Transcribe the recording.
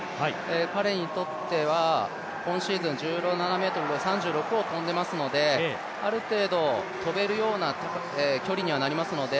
彼にとっては今シーズン１７ｍ３６を跳んでますのである程度、跳べるような距離にはなりますので。